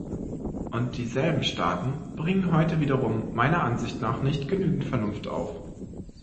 Und dieselben Staaten bringen heute wiederum meiner Ansicht nach nicht genügend Vernunft auf.